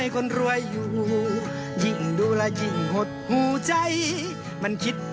ครับ